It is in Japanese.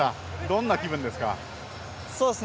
どんな気分ですか？